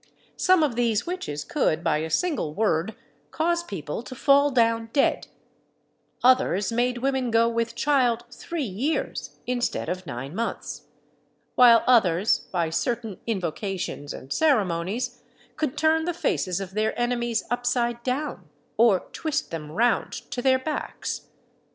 Some of these witches could, by a single word, cause people to fall down dead; others made women go with child three years instead of nine months; while others, by certain invocations and ceremonies, could turn the faces of their enemies upside down, or twist them round to their backs.